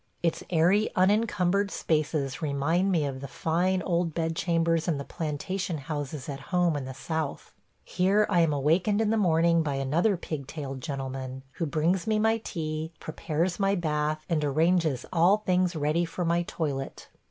Its airy, unencumbered spaces remind me of the fine old bedchambers in the plantation houses at home in the South. ... Here I am awakened in the morning by another pigtailed gentleman, who brings me my tea, prepares my bath, and arranges all things ready for my toilet.